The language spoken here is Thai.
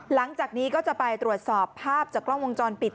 หลังจากนี้ก็จะไปตรวจสอบภาพจากกล้องวงจรปิด